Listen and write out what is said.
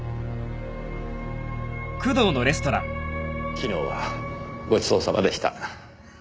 昨日はごちそうさまでした。